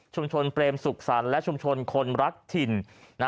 เปรมสุขสรรค์และชุมชนคนรักถิ่น